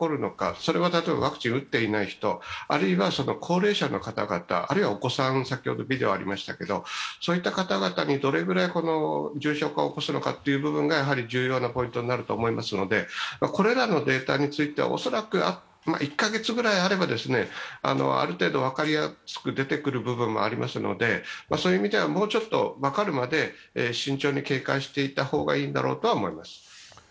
それはワクチン打っていない人、あるいは高齢者の方々、あるいはお子さん、そういった方々にどれぐらい重症化を起こすのかというのが重要なポイントになると思いますので、これらのデータについては恐らく１カ月ぐらいあればある程度分かりやすく出てくる部分もありますのでそういう意味では、もうちょっと分かるまで慎重に警戒していた方がいいんだろうと思います。